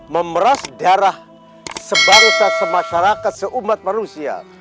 memeras darah sebaritas semasyarakat seumat manusia